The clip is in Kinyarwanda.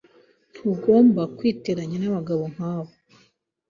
Ntugomba kwiteranya nabagabo nkabo.